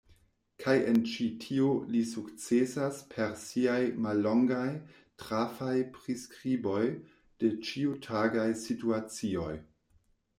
Kaj en ĉi tio li sukcesas per siaj mallongaj, trafaj priskriboj de ĉiutagaj situacioj.